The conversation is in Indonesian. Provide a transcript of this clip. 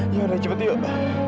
yaudah cepet yuk